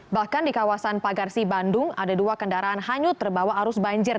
bahkan di kawasan pagarsi bandung ada dua kendaraan hanyut terbawa arus banjir